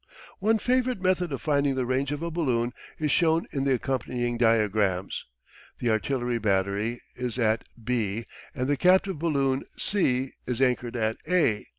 One favourite method of finding the range of a balloon is shown in the accompanying diagrams. The artillery battery is at B and the captive balloon, C, is anchored at A.